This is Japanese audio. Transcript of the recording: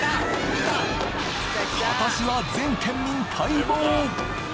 今年は全県民待望！